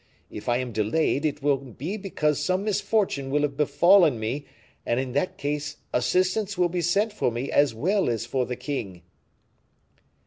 If I am delayed; it will be because some misfortune will have befallen me; and in that case assistance will be sent for me as well as for the king."